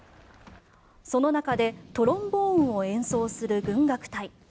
その中でトロンボーンを演奏する軍楽隊。